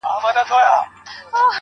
بس ده د خداى لپاره زړه مي مه خوره,